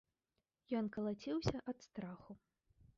Ён калаціўся ад страху.